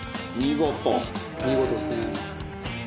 「見事ですね」